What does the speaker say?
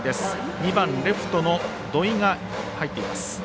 ２番、レフトの土居が入っています。